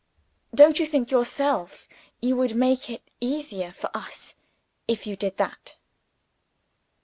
Don't you think yourself you would make it easier for us, if you did that?"